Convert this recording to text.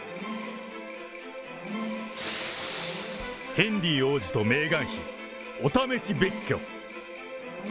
ヘンリー王子とメーガン妃、お試し別居。